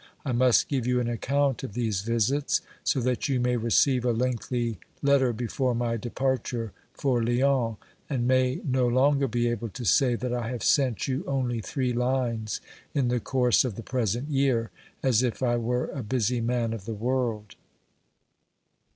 I must give you an account of these visits, so that you may receive a lengthy letter before my departure for Lyons, and may no longer be able to say that I have sent you only three lines in the course of the present year, as if I were a busy man of the world.